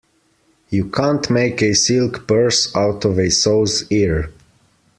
You can't make a silk purse out of a sow's ear.